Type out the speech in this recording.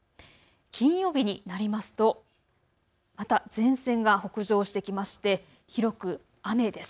金曜日になりますとまた前線が北上してきまして広く雨です。